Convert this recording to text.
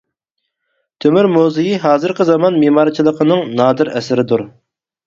تۆمۈر مۇزېيى ھازىرقى زامان مېمارچىلىقىنىڭ نادىر ئەسىرىدۇر.